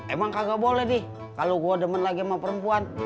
emang kagak boleh di kalo gua demen lagi sama perempuan